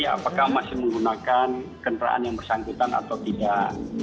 apakah masih menggunakan kendaraan yang bersangkutan atau tidak